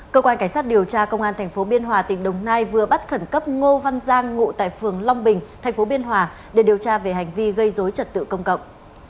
cơ quan cảnh sát điều tra công an tp biên hòa tỉnh đồng nai vừa bắt khẩn cấp ngô văn giang ngụ tại phường long bình tp biên hòa để điều tra về hành vi gây dối trật tự công cộng